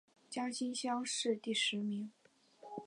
江西乡试第十名。